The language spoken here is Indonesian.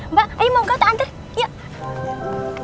mbak ayo mau ke kota antar yuk